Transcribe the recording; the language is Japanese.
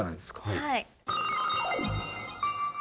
はい。